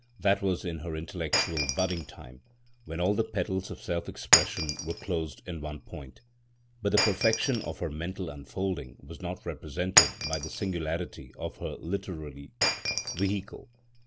That was in her intellectual budding time, when all her petals of self expression were closed in one point. But the perfection of her mental unfolding was not represented by the singularity of her literary vehicle.